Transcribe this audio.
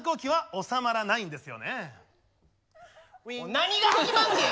何が始まんねや！